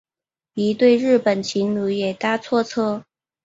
一对日本情侣也搭错车